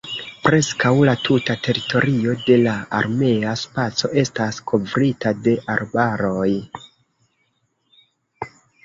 Preskaŭ la tuta teritorio de la armea spaco estas kovrita de arbaroj.